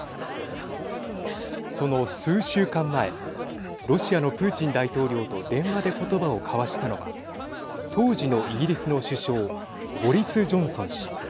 その数週間前ロシアのプーチン大統領と電話で言葉を交わしたのは当時のイギリスの首相ボリス・ジョンソン氏。